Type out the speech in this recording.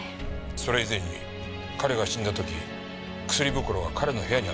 それ以前に彼が死んだ時薬袋は彼の部屋にあった。